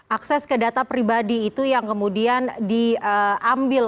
akses ke data pribadi itu yang kemudian diambil